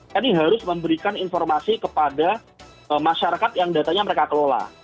kami harus memberikan informasi kepada masyarakat yang datanya mereka kelola